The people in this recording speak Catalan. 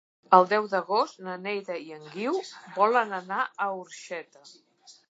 El deu d'agost na Neida i en Guiu volen anar a Orxeta.